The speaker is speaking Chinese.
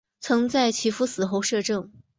曾在其夫死后摄政。